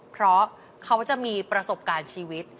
เพราะเขาจะมีประสบการณ์ชีวิต